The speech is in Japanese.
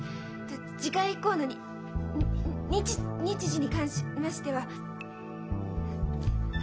次回以降のに日時に関しましては。